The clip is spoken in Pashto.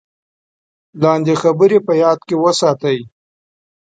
لاندې خبرې په یاد کې وساتئ: